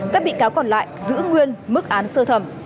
các bị cáo còn lại giữ nguyên mức án sơ thẩm